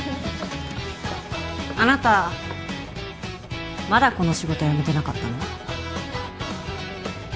あなたまだこの仕事辞めてなかったの？